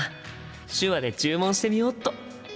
手話で注文してみよっと！